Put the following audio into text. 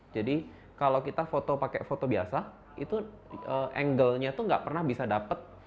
jadi kalau kita foto pakai foto biasa itu angle nya itu nggak pernah bisa dapet